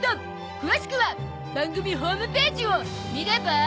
詳しくは番組ホームページを見れば？